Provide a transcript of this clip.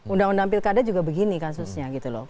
undang undang pilkada juga begini kasusnya gitu loh